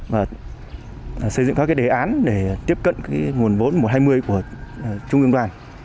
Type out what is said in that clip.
và xây dựng các đề án để tiếp cận nguồn vốn một trăm hai mươi của trung ương đoàn